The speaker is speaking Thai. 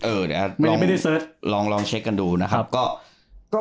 เออเดี๋ยวไม่ได้เสิร์ชลองลองเช็คกันดูนะครับก็